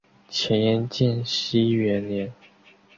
前燕建熙元年。